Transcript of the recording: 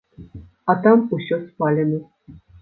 А там усё спалена.